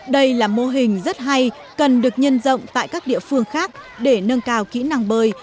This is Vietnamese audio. đây là mô hình rất hay cần được nhân rộng tại các địa phương khác để nâng cao kỹ năng bơi